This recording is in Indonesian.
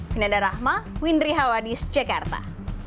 vinanda rahma windri hawadis jakarta